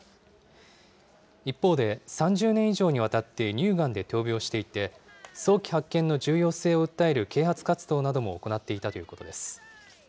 一方で、３０年以上にわたって乳がんで闘病していて、早期発見の重要性を訴える啓発活動なども行っていたということです。